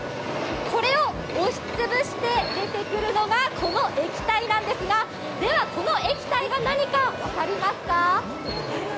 これを押しつぶして出てくるのが、この液体なんですが、では、この液体が何か分かりますか？